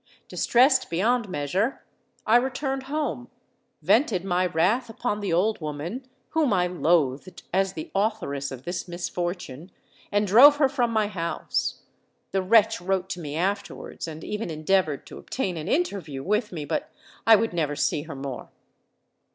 Distressed beyond measure, I returned home, vented my wrath upon the old woman, whom I loathed as the authoress of this misfortune, and drove her from my house. The wretch wrote to me afterwards, and even endeavoured to obtain an interview with me; but I would never see her more."